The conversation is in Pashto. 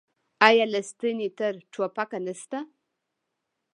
آیا له ستنې تر ټوپکه نشته؟